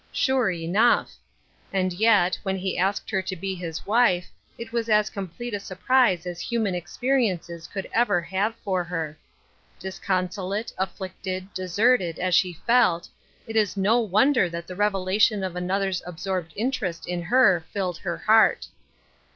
Sure enough I And yet, when he asked her to be his wife, it was as complete a surprise as human ex periences could ever have for her. Desolate, afi&icted, deserted, as she felt, it is no wondei Shadowed Joys, 246 that the i^velation of another's absoibed interest In her filled her heart.